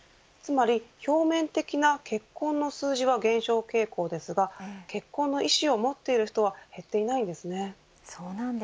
つまり、表面的な結婚の数字は減少傾向ですが結婚の意志を持っている人は減ってはいないです。